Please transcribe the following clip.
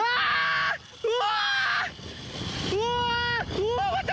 うわ！